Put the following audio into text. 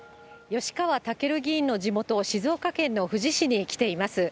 吉川赳議員の地元、静岡県の富士市に来ています。